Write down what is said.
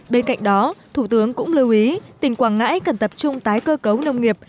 bên cạnh đó thủ tướng cũng lưu ý tỉnh quảng ngãi cần tập trung tái cơ cấu nông nghiệp